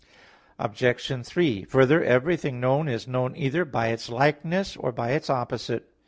Obj. 3: Further, everything known is known either by its likeness, or by its opposite.